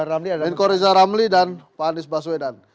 ada menko reza ramli dan pak andis baswedan